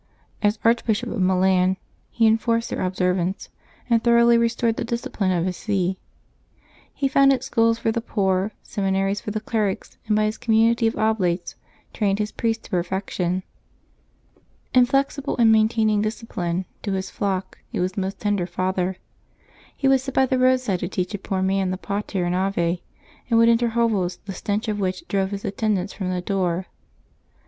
As Archbishop of Milan he enforced their observance, and thoroughly restored the discipline of his see. He founded schools for the poor, seminaries for the clerics, and by his community of Oblates trained his priests to perfection. Inflexible in maintaining discipline, to his flock he was a most tender father. He would sit by the roadside to teach a poor man the Pater and Ave, and would enter hovels the stench of which drove his attendants from the door.